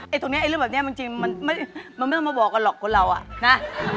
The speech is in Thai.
ตรงนี้ไอ้เรื่องแบบนี้มันจริงมันไม่ต้องมาบอกกันหรอกคนเราอ่ะนะ